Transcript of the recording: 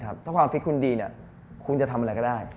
ถ้าความฟิตคุณดีคุณจะทำอะไรก็ได้